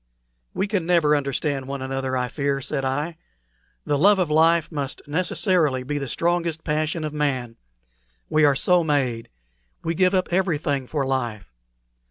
"We can never understand one another, I fear," said I. "The love of life must necessarily be the strongest passion of man. We are so made. We give up everything for life.